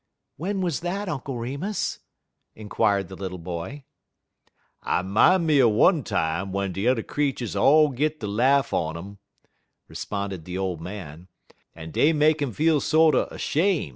"When was that, Uncle Remus?" inquired the little boy. "I min' me er one time w'en de t'er creeturs all git de laugh on 'im," responded the old man, "en dey make 'im feel sorter 'shame'.